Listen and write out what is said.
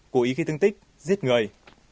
cố ý khi tương tích giết người